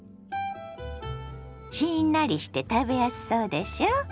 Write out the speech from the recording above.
しんなりして食べやすそうでしょ。